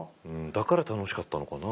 だから楽しかったのかな？